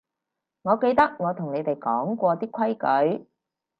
我記得我同你哋講過啲規矩